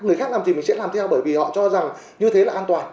người khác làm gì mình sẽ làm theo bởi vì họ cho rằng như thế là hành vi của đám đất